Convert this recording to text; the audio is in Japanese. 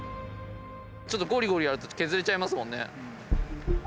ちょっとゴリゴリやると削れちゃいますもんね。